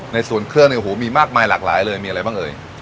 ในส่วนเครื่องเนี่ยโอ้โหมีมากมายหลากหลายเลยมีอะไรบ้างเอ่ย